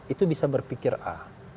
itu bisa berpikir a